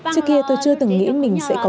trước kia tôi chưa từng nghĩ mình sẽ có